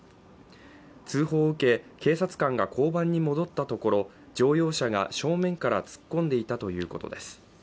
通報を受け、警察官が交番に戻ったところ、乗用車が正面から突っ込んでいたということです。